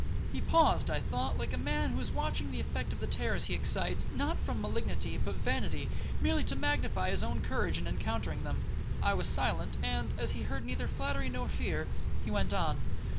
He paused, I thought, like a man who is watching the effect of the terrors he excites, not from malignity but vanity, merely to magnify his own courage in encountering them. I was silent; and, as he heard neither flattery nor fear, he went on.